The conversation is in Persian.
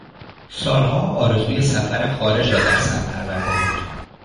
سالها آرزوی سفر خارج را در سر پرورده بود.